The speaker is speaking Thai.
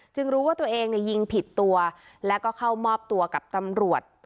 รู้ว่าตัวเองยิงผิดตัวแล้วก็เข้ามอบตัวกับตำรวจ